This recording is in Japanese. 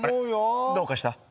あれどうかした？